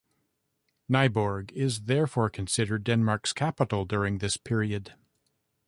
Nyborg is therefore considered Denmark's capital during this period.